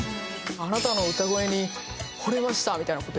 あなたの歌声に惚れましたみたいな事言われて。